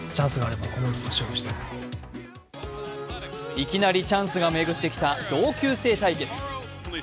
いきなりチャンスが巡ってきた同級生対決。